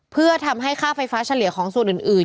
เพื่อทำให้ค่าไฟฟ้าเฉลี่ยของส่วนอื่น